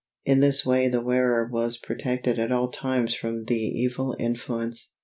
In this way the wearer was protected at all times from the evil influence.